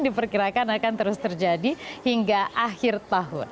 diperkirakan akan terus terjadi hingga akhir tahun